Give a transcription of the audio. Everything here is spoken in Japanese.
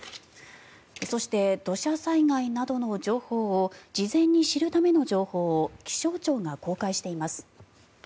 そして、土砂災害などの情報を事前に知るための情報を気象庁が公開しています。